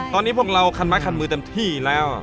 ตอนนี้พวกเราคันไม้คันมือเต็มที่แล้ว